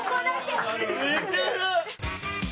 似てる！